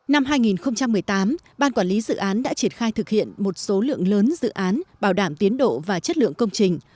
năm hai nghìn một mươi tám ban quản lý dự án đã triển khai thực hiện một số lượng lớn dự án bảo đảm tiến độ và chất lượng công trình